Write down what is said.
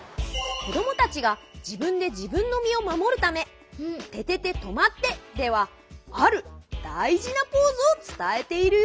こどもたちがじぶんでじぶんのみをまもるため「ててて！とまって！」ではあるだいじなポーズをつたえているよ！